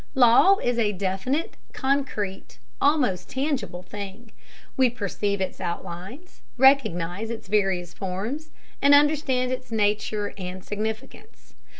Law is a definite, concrete, almost tangible thing; we perceive its outlines, recognize its various forms, and understand its nature and significance.